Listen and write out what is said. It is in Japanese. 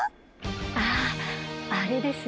あああれですね。